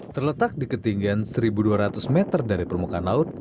terletak di ketinggian satu dua ratus meter dari permukaan laut